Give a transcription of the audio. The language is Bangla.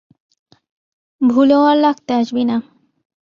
ভুলেও আর লাগতে আসবি না!